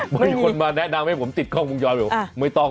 มีคนมาแนะนำให้ผมติดกล้องวงจรไม่ต้อง